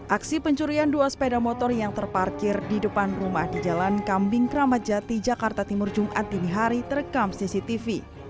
aksi pencurian dua sepeda motor yang terparkir di depan rumah di jalan kambing kramat jati jakarta timur jumat dinihari terekam cctv